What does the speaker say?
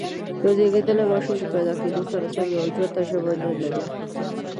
یو زېږيدلی ماشوم د پیدا کېدو سره سم یوه جوته ژبه نه لري.